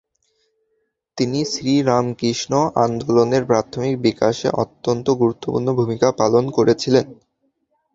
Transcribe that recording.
তিনি শ্রীরামকৃষ্ণ আন্দোলনের প্রাথমিক বিকাশে অত্যন্ত গুরুত্বপূর্ণ ভূমিকা পালন করেছিলেন।